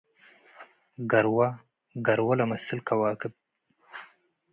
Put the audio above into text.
ገርወ፤ ገርወ ለመስል ከዋክብ ።